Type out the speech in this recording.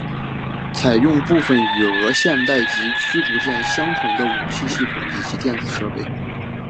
采用部分与俄制现代级驱逐舰相同的武器系统以及电子设备。